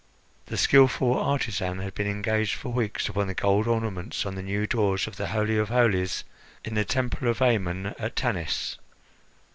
The skilful artisan had been engaged for weeks upon the gold ornaments on the new doors of the holy of holies in the Temple of Amon at Tanis.